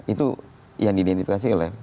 itu yang didentifikasi oleh